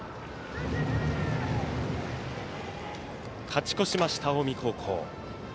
勝ち越しました、近江高校。